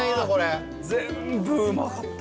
高岸：全部うまかった。